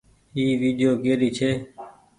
اي ويڊيو ڪيري ڇي۔